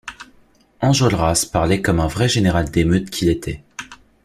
Enjolras parlait comme un vrai général d’émeute qu’il était.